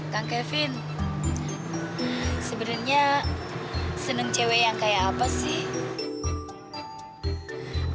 kang kevin sebenarnya seneng cewek yang kayak apa sih